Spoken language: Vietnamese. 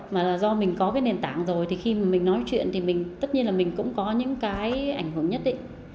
mà do mình có cái nền tảng rồi thì khi mình nói chuyện thì tất nhiên là mình cũng có những cái ảnh hưởng nhất